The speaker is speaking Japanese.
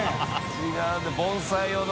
違うね盆栽用の。